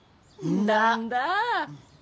んだんだ。